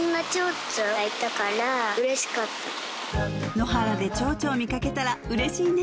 野原で蝶々を見かけたらうれしいね！